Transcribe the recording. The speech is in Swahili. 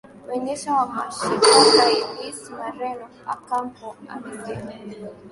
wendesha mashitaka luis moreno ocampo amesema